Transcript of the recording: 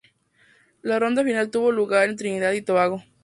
La ronda final tuvo lugar en Trinidad y Tobago.